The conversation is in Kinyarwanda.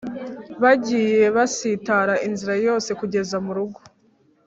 Bagiye basitara inzira yose kugeza murugo